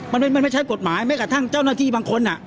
มันไม่ใช่กฎหมายแม้กระทั่งเจ้าหน้าที่บางคน